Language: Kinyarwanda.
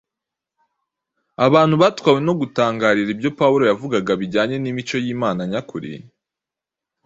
Abantu batwawe no gutangarira ibyo Pawulo yavugaga bijyanye n’imico y ’Imana nyakuri,